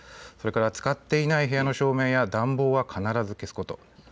それから使っていない部屋の照明や暖房は必ず消すこと。